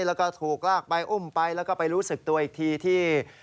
แล้วก็ถูกลากไปอุ้มไปแล้วก็ไปรู้สึกตัวอีกทีที่